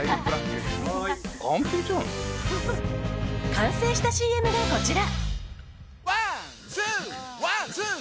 完成したＣＭがこちら。